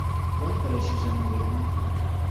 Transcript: bakoresheje amabuye mato